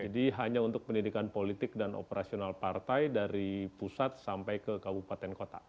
jadi hanya untuk pendidikan politik dan operasional partai dari pusat sampai ke kabupaten kota